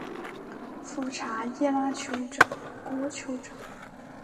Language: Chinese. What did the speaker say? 富查伊拉酋长国酋长